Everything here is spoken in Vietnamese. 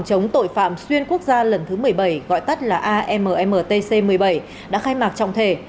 chống tội phạm xuyên quốc gia lần thứ một mươi bảy gọi tắt là ammtc một mươi bảy đã khai mạc trọng thể